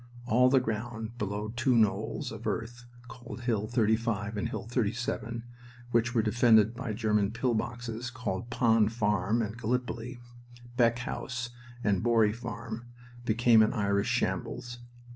All the ground below two knolls of earth called Hill 35 and Hill 37, which were defended by German pill boxes called Pond Farm and Gallipoli, Beck House and Borry Farm, became an Irish shambles.